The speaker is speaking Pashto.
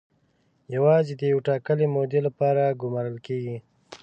یوازې د یوې ټاکلې مودې لپاره ګومارل کیږي.